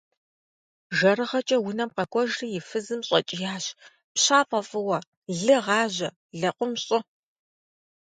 ЖэрыгъэкӀэ унэм къэкӀуэжри и фызым щӀэкӀиящ: - ПщафӀэ фӀыуэ! Лы гъажьэ! Лэкъум щӀы!